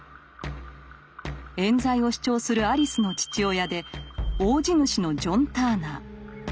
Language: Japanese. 冤罪を主張するアリスの父親で大地主のジョン・ターナー。